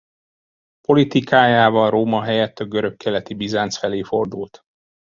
Politikájával Róma helyett a görögkeleti Bizánc felé fordult.